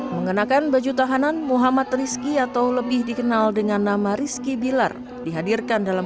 mengenakan baju tahanan muhammad rizki atau lebih dikenal dengan nama rizky bilar dihadirkan dalam